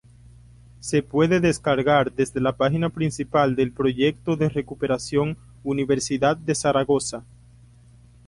Se puede descargar desde la página principal del proyecto de recuperación Universidad de Zaragoza.